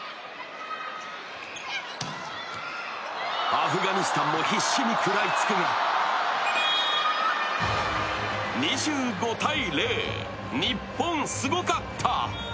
アフガニスタンも必死に食らいつくが２５−０、日本すごかった。